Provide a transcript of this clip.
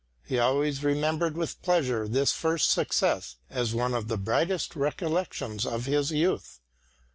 He always remembered with pleasure this first success as one of the brightest recollections of his youth.